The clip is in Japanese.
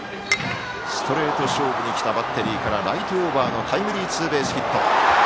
ストレート勝負にきたバッテリーからライトオーバーのタイムリーツーベースヒット。